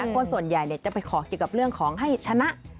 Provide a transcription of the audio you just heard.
คนส่วนใหญ่จะไปขอเกี่ยวกับเรื่องของให้ชนะ